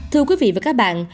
thưa quý vị và các bạn